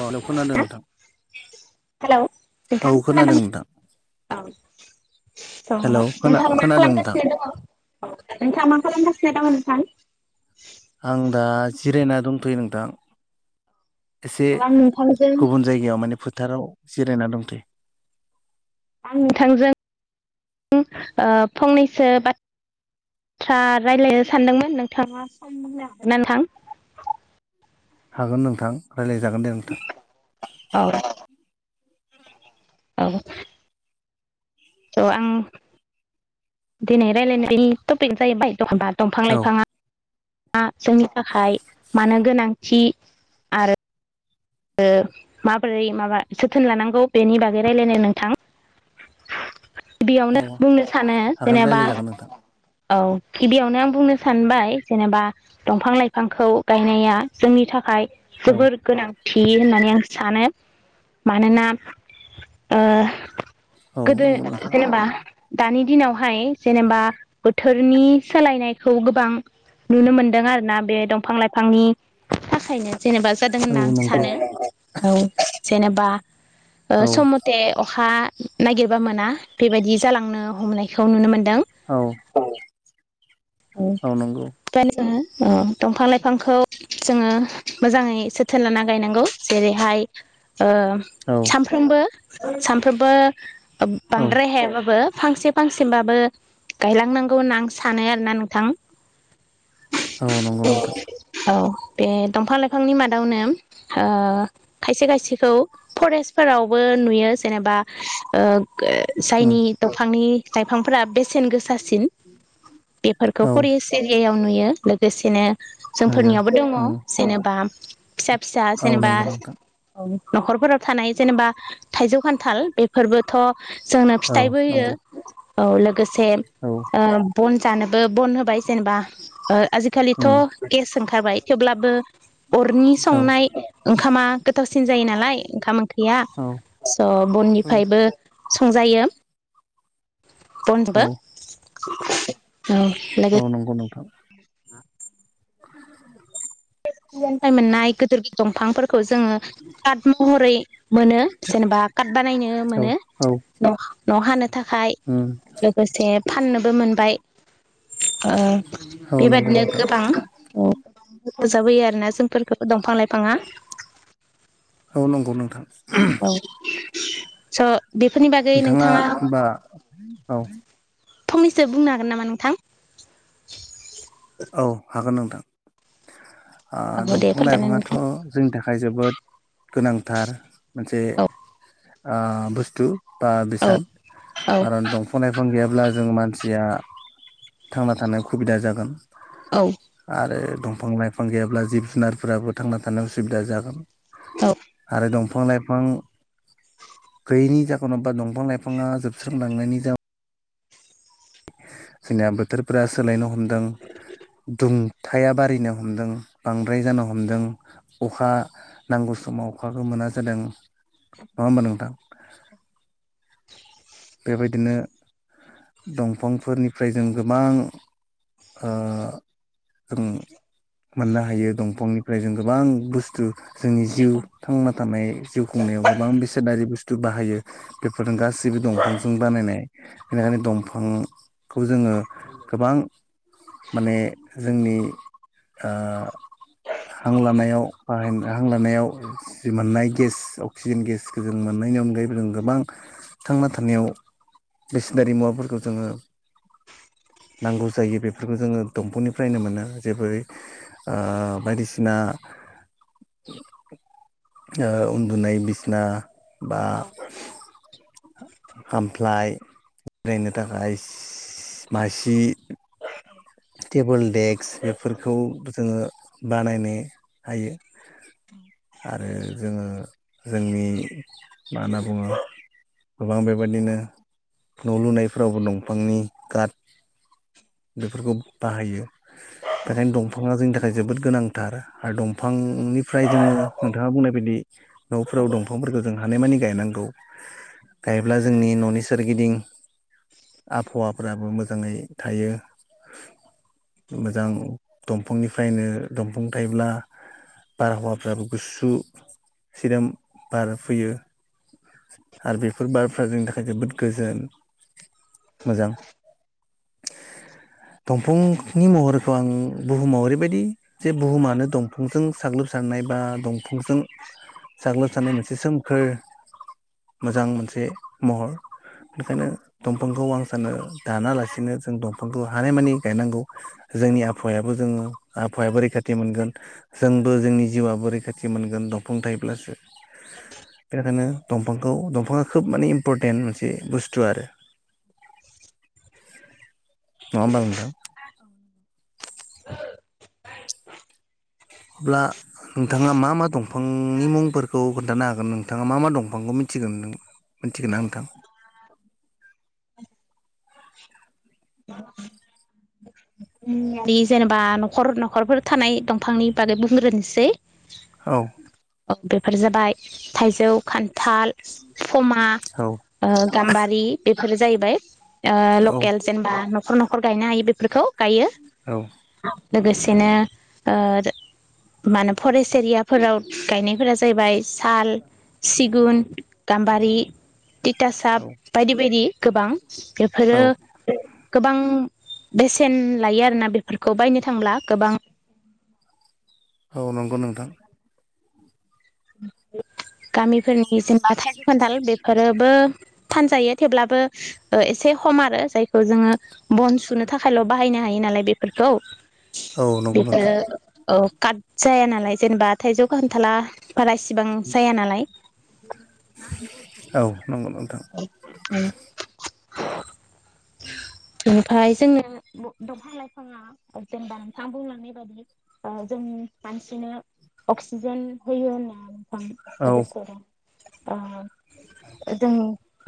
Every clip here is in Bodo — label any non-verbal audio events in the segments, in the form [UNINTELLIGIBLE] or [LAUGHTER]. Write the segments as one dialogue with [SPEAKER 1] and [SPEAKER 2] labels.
[SPEAKER 1] [UNINTELLIGIBLE] खोनादों नोंथां।
[SPEAKER 2] हेलौ
[SPEAKER 1] औ
[SPEAKER 2] नोंथां खोनादों
[SPEAKER 1] नोंथां
[SPEAKER 2] औ
[SPEAKER 1] हेलौ खोना
[SPEAKER 2] नोंथाङा मा
[SPEAKER 1] खोनादों नोंथां
[SPEAKER 2] खालामगासिनो दङ औ नोंथाङा मा [UNINTELLIGIBLE]
[SPEAKER 1] आं दा जिरायना दंथ'यो नोंथां। एसे
[SPEAKER 2] आं नोंथांजों
[SPEAKER 1] गुबुन जायगायाव माने [UNINTELLIGIBLE] थाराव जिरायना दंथ'यो।
[SPEAKER 2] आं नोंथांजों ओ फंनैसो बाथ्रा रायलायनो सानदोंमोन नोंथाङा सम होनो हागोन ना नोंथां?
[SPEAKER 1] हागोन नोंथां। रायलायजागोन दे नोंथां।
[SPEAKER 2] औ औ। स' आं दिनै रायजलायनाय टपिक जाहैबाय [UNINTELLIGIBLE] दंफां
[SPEAKER 1] औ
[SPEAKER 2] -लाइफाङा [UNINTELLIGIBLE] जोंनि थाखाय मानो गोनांथि आरो ओ माबोरै माबा जोथोन लानांगौ बेनि बागै रायलायनाय नोंथां। बेयावनो
[SPEAKER 1] औ
[SPEAKER 2] बुंनो सानो
[SPEAKER 1] हागोन
[SPEAKER 2] जेनेबा
[SPEAKER 1] रायलायजागोन नोंथां
[SPEAKER 2] औ गिबियावनो आं बुंनो सानबाय जेनेबा दंफां- लाइफांखौ गायनाया जोंनि थाखाय
[SPEAKER 1] औ
[SPEAKER 2] जोबोर गोनां। थियो होननानै आं सानो मानोना ओ
[SPEAKER 1] औ
[SPEAKER 2] गोदो
[SPEAKER 1] नंगौ नोंथां
[SPEAKER 2] जेनेबा दानि दिनावहाय जेनेबा बोथोरनि सोलायनायखौ गोबां नुनो मोनदों आरोना बे दंफां लाइफांनि थाखायनो। जेनेबा जादों होनना
[SPEAKER 1] औ
[SPEAKER 2] आं
[SPEAKER 1] नंगौ
[SPEAKER 2] सानो औ। जेनेबा ओ
[SPEAKER 1] औ
[SPEAKER 2] सम मथे अखा नागिरबा मोना बेबायदि जालांनो हमनायखौ नुनो मोन दों। औ औ [UNINTELLIGIBLE] अ दंफां लाइफांखौ जोङो मोजाङै जोथोन लाना गायनांगौ। जेरैहाय ओ
[SPEAKER 1] औ
[SPEAKER 2] सानफ्रोमबो सानफ्रोमबो ओब
[SPEAKER 1] औ
[SPEAKER 2] बांद्राय हायाबाबो फांसे फांसेबाबो गायलांनांगौ होनना आं सानो ना नोंथां।
[SPEAKER 1] औ नंगौ नोंथां।
[SPEAKER 2] औ बे दंफां लाइफांनि मादावनो ओ खायसे खायसेखौ फरेस्टफोरावबो नुयो जेनेबा। ओ ओ
[SPEAKER 1] उम
[SPEAKER 2] जायनि दंफांनि लाइफांफोरा बे सेन गोसासिन। बेफोरखौ
[SPEAKER 1] औ
[SPEAKER 2] फरेस एरियियाव नुयो लोगोसेनो
[SPEAKER 1] हायो
[SPEAKER 2] जोंफोरनियावबो दङ
[SPEAKER 1] उम
[SPEAKER 2] जेनेबा फिसा फिसा
[SPEAKER 1] औ
[SPEAKER 2] जेनेबा
[SPEAKER 1] नंगौ नोंथां
[SPEAKER 2] औ। न'खरफोराव थानाय जेनेबा थाइजौ खान्थाल बेफोरबोथ' जोंनो
[SPEAKER 1] औ
[SPEAKER 2] फिथाइबो होयो
[SPEAKER 1] नंगौ
[SPEAKER 2] औ लोगोसे
[SPEAKER 1] औ
[SPEAKER 2] ओ बन जानोबो बन होबाय जेनेबा ओ आजिखालिथ'
[SPEAKER 1] उम
[SPEAKER 2] गेस ओंखारबाय थेवब्लाबो अरनि
[SPEAKER 1] औ
[SPEAKER 2] संनाय ओंखामा गोथावसिन जायो नालाय ओंखाम ओंख्रिया
[SPEAKER 1] औ
[SPEAKER 2] स'
[SPEAKER 1] औ
[SPEAKER 2] बननिफ्रायबो संजायो
[SPEAKER 1] औ
[SPEAKER 2] बनजोंबो। [UNINTELLIGIBLE] लोगोसे
[SPEAKER 1] औ नंगौ नोंथां। [UNINTELLIGIBLE]
[SPEAKER 2] [UNINTELLIGIBLE] मोननाय गोदोर दंफांफोर खौ जोङो तात महरै मोनो जेनेबा खात बानायनो
[SPEAKER 1] औ
[SPEAKER 2] मोनो
[SPEAKER 1] औ
[SPEAKER 2] न' न' हानोद थाखाय
[SPEAKER 1] उम
[SPEAKER 2] लोगोसे फाननोबो मोनबाय। ओ
[SPEAKER 1] औ नंगौ
[SPEAKER 2] बेबादिनो
[SPEAKER 1] नोंथां
[SPEAKER 2] गोबां औ हेफाजाब होयो आरोना जोंफोरखौ दंफां लाइफाङा।
[SPEAKER 1] औ नंगौ नोंथां।
[SPEAKER 2] औ। स' बेफोरनि बागै नोंथाङा
[SPEAKER 1] औ।
[SPEAKER 2] फंनैसो बुंनो हागोन नामा नोंथां?
[SPEAKER 1] औ हागोन नों थां ओ
[SPEAKER 2] औ दे
[SPEAKER 1] दंफां
[SPEAKER 2] फोरमायना
[SPEAKER 1] लाइफाङाथ'
[SPEAKER 2] नोंथां
[SPEAKER 1] जोंनि थाखाय जोबोद गोनांथार मोनसे
[SPEAKER 2] औ
[SPEAKER 1] ओ बुस्थु बा
[SPEAKER 2] औ
[SPEAKER 1] बेसाद
[SPEAKER 2] औ
[SPEAKER 1] आरोन दंफां लाइफां गैयाब्ला जों मानस सिया थांना थानो खुबिदा जागोन।
[SPEAKER 2] औ
[SPEAKER 1] आरो दंफां लाइफां गैयाब्ला जिब जुनारफोराबो थांना थानो उसुबिदा जागोन।
[SPEAKER 2] औ
[SPEAKER 1] आरो दं फां लाइफां गैयिनि जाहोनाव बा दंफां लाइफाङा जोबस्रांलांनायनि जा जोंनिया बोथोरफोरा सोलायनो हमदों दुंथाया बारिनो हमदों बांद्राय जानो हमदों अखा नांगौ समाव अखाखौ मोना जादों। नङा ओमबा नोंथां? [INAUDIBLE] बेबायदिनो दंफांफोरनिफ्राय जों गोबां ओ उम मोननो हायो दंफांनिफ्राय जों गोबां बुस्थु जोंनि जिउ थांना थानाय जिउ खुंनायाव गोबां बेसादारि बुथ थु बाहायो बेफोरो गासिबो दं। दंफांजों बानायनाय बेनिखायनो दंफांखौ जोङो गोबां माने जोंनि ओ हां लानायाव बाहाय हां लानायाव जि मोननाय गेस अक्सिजेन गेसखौ जों मोननायनि अनगायैबो जों गोबां थांना था नायाव बेसनारि मुवाफोरखौ जोङो नांगौ जायो बेफोरखौ जोङो दंफांनिफ्रायनो मोनो जेबै ओ बायदिसिना ओ उन्दुनाय बिसना बा खामफ्लाय जिरायनो थाखाय सि मासि टेबोल देक्स बेफोरखौ जोङो बानायनो हायो आरो जोङो जोंनि मा होनना बुङो गोबां बेबायदिनो न' लुनायफोरावबो दंफांनि काट बेफोरखौ बाहायो बेखायनो दंफाङा जोंनि थाखाय जोबोद गोनांथार हार दंफांनिफ्राय जोङो नोंथाङा बुंनाय बायदि न'फोराव दंफांफोरखौ जों हानायमानि गायनांगौ गायोब्ला जोंनि न'नि सोरगिदिं आभावाफ्राबो मोजाङै थायो मोजां दंफांनिफ्रायनो दंफां थायोब्ला बारहावाफ्राबो गुसु सिदोम बार फैयो आरो बेफोर बारफ्रा जोंनि थाखाय जोबोद गोजोन मोजां [INAUDIBLE] दंफां [UNINTELLIGIBLE] महरखौ आं बुहुमाव ओरैबायदि जे बुहुमानो दंफांजों साग्लोबसारनाय बा दंफांजों साग्लोबसारनाय मोनसे सोमखोर मोजां मोनसे महर बेखायनो दंफांखौ आं सानो दानालासिनो जों दंफांखौ हानायमानि गायनांगौ जोंनि आबहावायाबो जोङो आहावायाबो रैखाथि मोनगोन जोंबो जोंनि जिउआबो रैखाथि मोनगोन दंफां थायोब्लासो बेनिखायनो दंफांखौ दंफाङा खोब माने इम्परटेन्ट मोनसे बुस्थु आरो।
[SPEAKER 2] [INAUDIBLE]
[SPEAKER 1] नङा होनबा नोंथां अब्ला नोंथाङा मा मा दंफांनि मुंफोरखौ खोन्थानो हागोन नोंथाङा मा मा दंफांखौ मिथिगोन नों मिथिगोन ना नोंथां?
[SPEAKER 2] [UNINTELLIGIBLE] जोंनि हानि जेनेबा न'खर न'खरफोर थानाय दंफांनि बागै बुंग्रोनोसै
[SPEAKER 1] औ
[SPEAKER 2] औ बेफोर जाबाय थाइजौ खान्थाल फमा
[SPEAKER 1] औ
[SPEAKER 2] ओ गाम्बारि बे‌ फोरो जायैबाय ओ
[SPEAKER 1] औ
[SPEAKER 2] लकेल बा न'खर न'खर गायनो हायो बेफोरखौ गायो लोगोसेनो ओ दो मानो फरेस्ट एरियाफोराव गायनायफोरा जाहैबाय साल सिगुन गाम्बारि तितासाप
[SPEAKER 1] औ
[SPEAKER 2] बायदि बायदि। गोबां [UNINTELLIGIBLE] बेफोरो
[SPEAKER 1] औ
[SPEAKER 2] [UNINTELLIGIBLE] गोबां बेसेन लायो आरोना बेफोरखौ बायनो थांब्ला गोबां
[SPEAKER 1] औ नंगौ नोंथां
[SPEAKER 2] [UNINTELLIGIBLE] गामिफोरनि जेनेबा थाइजौ खान्थाल बेफोरोबो फानजायो थेवब्लाबो एसे खम आरो जायखौ जोङो बन सुनो थाखायल' बाहायनो हायो नालाय बेफोरखौ
[SPEAKER 1] औ नंगौ नोंथां
[SPEAKER 2] बेफोरो औ काद जाया नालाय जेनेबा थाइजौ खानथाला बारा इसिबां जाया नालाय
[SPEAKER 1] औ नंगौ नोंथां [UNINTELLIGIBLE] [INAUDIBLE]
[SPEAKER 2] ओमफाय जोंनो बु दंफां लाइफाङा जेनेबा नोंथां बुंलांनाय बादि ओ जों मानसिनो अक्सिजेन होयो होनना
[SPEAKER 1] औ
[SPEAKER 2] [UNINTELLIGIBLE] अ ओ दों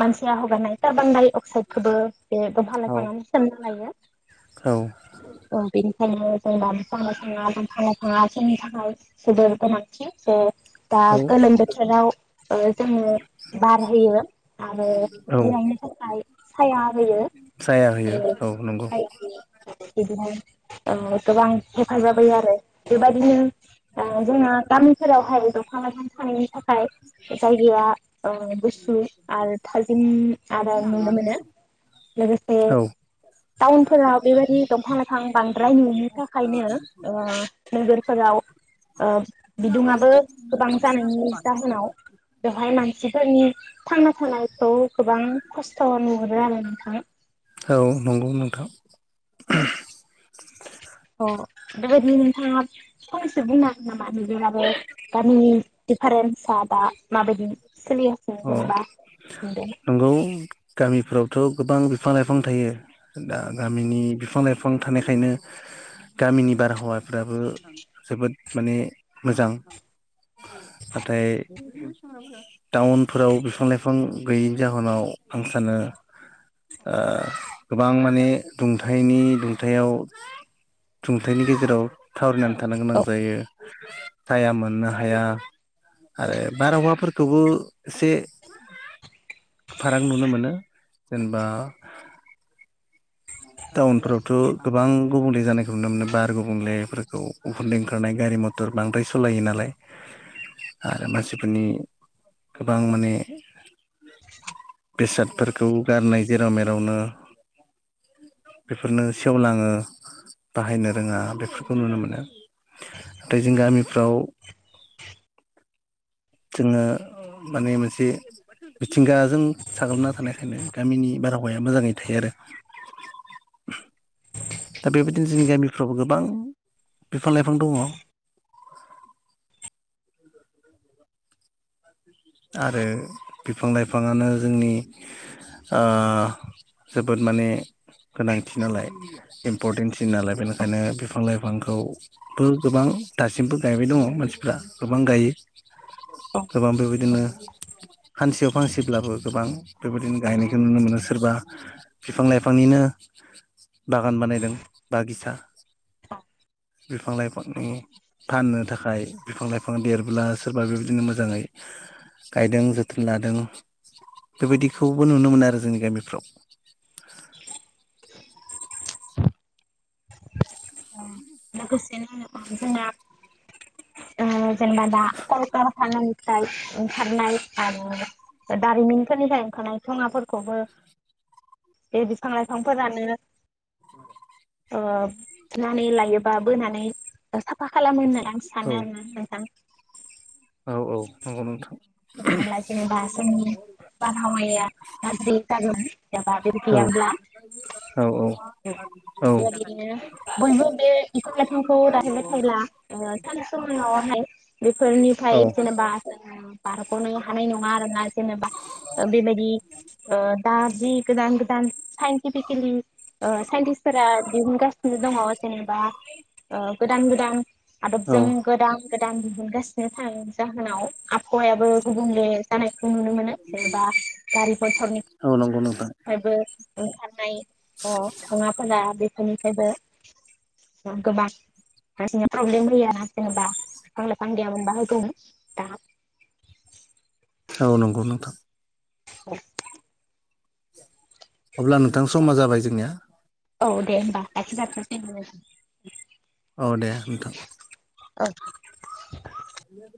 [SPEAKER 2] मानसिया हगारनाय कार्बन डाइ अक्साइद खोबो बे बफां
[SPEAKER 1] औ
[SPEAKER 2] लायफाङानो सोनानै लायो ओ बेनि ओंखायनो जोंना बिफां लाइफाङा दंफां लाइफांआ जोंनि थाखाय जोबोर गोनांथि दं दा
[SPEAKER 1] औ
[SPEAKER 2] गोलोम बोथोराव ओ जोंनो बार होयो आरो
[SPEAKER 1] औ
[SPEAKER 2] देनांनि थाखा खाय साया होयो
[SPEAKER 1] साया होयो
[SPEAKER 2] ओ
[SPEAKER 1] औ नंगौ
[SPEAKER 2] बिदिनो ओ गोबां हेफाजाब होयो आरो बेबादिनो औ जोंना गामि फोरावहाय दंफां लाइफां थानायनि थाखाय जायगाया ओ गुसु आरो थाजिम आरो नुनो मोनो लोगोसे
[SPEAKER 1] औ
[SPEAKER 2] टाउनफोराव बेबायदि दंफां लाइफां बांद्राय नुयि थाखायनो ओ नोगोरफोराव ओ बिदुङाबो गोबां जानायनि जाहोनाव बेवहाय मानसिफोरनि [INAUDIBLE] थांना थानायखौ गोबां खस्थ'नो मोनो आरो नोंथां।
[SPEAKER 1] औ नंगौ नोंथां
[SPEAKER 2] अ बेबायदि नोंथाङा एसे बुंना हानो नामा नोंथाङाबो गामिनि दिफारेन्ट सा दा माबायदि सोलिगासिनो
[SPEAKER 1] अ
[SPEAKER 2] जेनेबा नुदों
[SPEAKER 1] थ' गोबां बिफां लाइफां थायो दा गामिनि बिफां लाइफां थानायखायनो गामिनि बारहावाफ्राबो जोबोद माने मोजां नाथाय टाउनफोराव बिफां लाइफां गैयैनि जाहोनाव आं सानो ओ गोबां माने दुंथायनि दुंथायाव दुंथायनि गेजेराव थावरिना थानो गोनां जायो। साया मोननो हाया आरो बारहावा फोरखौबो एसे फाराग नुनो मोनो जेनबा टाउनफ्रावथ' गोबां गुबुंले जानायखौ नुनो मोनो बार गुबुंलेफोरखौ उखुन्दै ओंखारनाय गारि मथर बांद्राय सालायो नालाय आरो मानसिफोरनि गोबां माने बेसादफोरखौ गारनाय जेराव मेरावनो बेफोरनो सेवलाङो बाहायनो रोङा बेफोरखौ नुनो मोनो। नाथाय जों गामि फ्राव जोङो माने मोनसे मिथिंगाजों साग्लोबना थानायखायनो गामिनि बारहावाया मोजाङै थायो आरो। दा बेबायदिनो जोंनि गामिफ्राव गोबां बिफां लाइफां दङ। आरो बिफां लाइफाङानो जोंनि ओ जोबोद माने गोनांथि नालाय इम्पर्टेनसिन नालाय बेनिखायनो बिफां लाइफांखौबो गोबां दासिमबो गायबाय दङ मानसिफ्रा गोबां गायो गोबां बेबाय दिनो फानसेयाव फांसेब्लाबो गोबां बेबायदिनो गायनायखौ नुनो मोनो सोरबा बिफां लाइफांनिनो बागान बानायदों बागिसा बिफां लाइफांनि फाननो थाखाय बिफां लाइफां देरब्ला सोरबा बेबायदिनो मोजाङै गायदों जोथोन लादों बेबायदिखौबो नुनो मोनो आरो जोंनि गामिफ्राव।
[SPEAKER 2] उम [UNINTELLIGIBLE] जोंना ओ जेनेबा दा कलकारानानिफ्राय ओंखारनाय आरो दारिमिनफोरनिफ्राय ओंखारनाय थङाफोरखौबो बे बिफां लाइफांफोरानो नानै लायोबा बोनानै साफा खालामो। आं
[SPEAKER 1] औ
[SPEAKER 2] सानो आरोना नोंथां
[SPEAKER 1] औ औ नंगौ नोंथां
[SPEAKER 2] नङाब्ला जेनेबा जोंनि बारहावाया गाज्रि जागोन जाबा बे
[SPEAKER 1] औ
[SPEAKER 2] गैयाब्ला
[SPEAKER 1] औ औ
[SPEAKER 2] बेबायदिनो बयबो बे बिफां-लाइफांखौ दानहोबाय थायोब्ला ओ सान सम [UNINTELLIGIBLE] बेफोरनिफ्राय जेनेबा
[SPEAKER 1] औ
[SPEAKER 2] बारग'नो हानाय नङा आरोना जेनेबा बेबायदि ओ दा जि गोदान गोदान साइन्टिफिकेलि ओ साइन्टिसफोरा दिहुनगासिनो दङ जेनेबा ओ गोदान गोदान आदबजों
[SPEAKER 1] औ
[SPEAKER 2] गोदान गोदान मोनगासिनो थां जाहोनाव आबहावायाबो गुबुंले जानाय खौ नुनो मोनो जेनेबा गारि
[SPEAKER 1] औ नंगौ नोंथां
[SPEAKER 2] मथरनिफ्रायबों ओंखार नाय अ थाङाफोरा बेफोरनिफ्रायबो गोबां प्रब्लेम होयो आरो‌ ना बिफां लाइफां गैयामोनब्ला होगौमोन।
[SPEAKER 1] औ नंगौ नोंथां
[SPEAKER 2] औ।
[SPEAKER 1] अब्ला नोंथां समा जाबाय जोंनिया
[SPEAKER 2] औ दे औ एगस्ट्रा
[SPEAKER 1] औ दे नोंथां
[SPEAKER 2] औ
[SPEAKER 1] [UNINTELLIGIBLE]